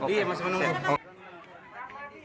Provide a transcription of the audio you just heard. iya masih menunggu